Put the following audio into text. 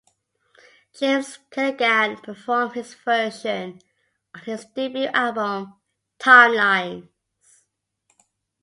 James Keelaghan performs his version on his debut album "Timelines".